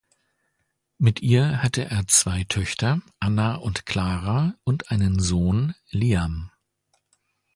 Mit ihr hat er zwei Töchter Anna und Clara, und einen Sohn, Liam.